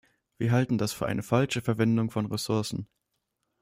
Wir halten das für eine falsche Verwendung von Ressourcen.